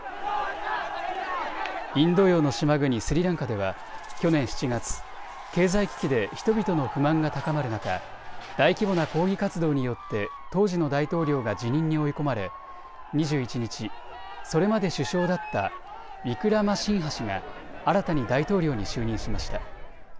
インド洋の島国スリランカでは去年７月、経済危機で人々の不満が高まる中、大規模な抗議活動によって当時の大統領が辞任に追い込まれ２１日、それまで首相だったウィクラマシンハ氏が新たに大統領に就任しました。